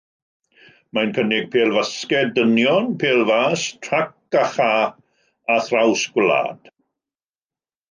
Mae'n cynnig pêl-fasged dynion, pêl fas, trac a chae, a thraws gwlad.